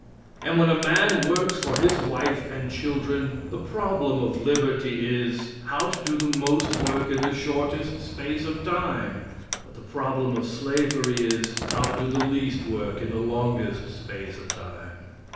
And when a man works for his wife and children, the problem of liberty is, how to do the most work in the shortest space of time; but the problem of slavery is, how to do the least work in the longest space of time.